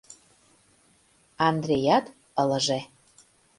— Андреят ылыже.